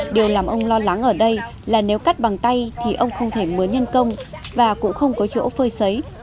điều làm ông lo lắng ở đây là nếu cắt bằng tay thì ông không thể mới nhân công và cũng không có chỗ phơi xấy